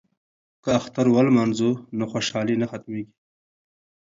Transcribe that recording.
که اختر ولمانځو نو خوشحالي نه ختمیږي.